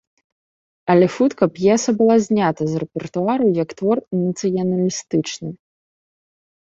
Але хутка п'еса была знята з рэпертуару як твор нацыяналістычны.